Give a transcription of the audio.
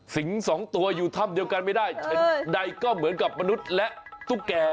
สองตัวอยู่ถ้ำเดียวกันไม่ได้เช่นใดก็เหมือนกับมนุษย์และตุ๊กแก่